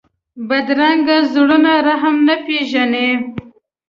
بدرنګه زړونه رحم نه پېژني